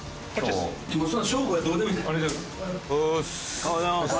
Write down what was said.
おはようございます。